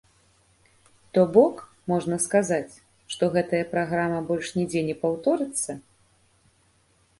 То бок, можна сказаць, што гэтая праграма больш нідзе не паўторыцца?